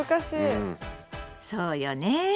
そうよね。